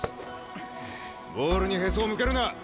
ボールにへそを向けるな。